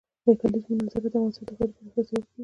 د کلیزو منظره د افغانستان د ښاري پراختیا سبب کېږي.